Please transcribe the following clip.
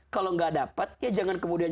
kalau nggak dapat ya jangan kemudian